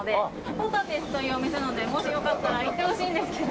ポタティスというお店なのでもしよかったら行ってほしいんですけど。